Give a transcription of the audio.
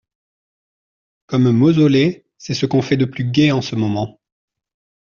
Comme mausolée, c’est ce qu’on fait de plus gai dans ce moment.